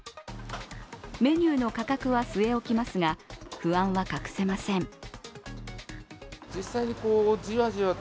メニューの価格は据え置きますが不安は隠せません。